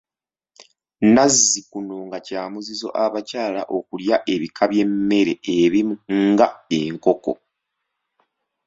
Nazzikuno nga kya muzizo abakyala okulya ebika by'emmere ebimu nga enkoko.